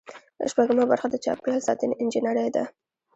شپږمه برخه د چاپیریال ساتنې انجنیری ده.